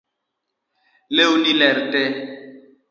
Lewni ler tee